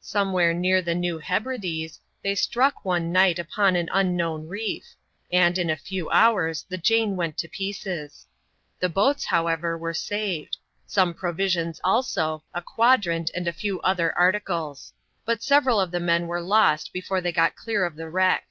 Some where near the New Hebrides, they struck one night upon an unknown reef; and, in a few hours, the Jane went to pieces. The boats, however, were saved; some provisions also, a quadrant, and a few other articles. But several of the m^ were lost before they got clear of the wreck.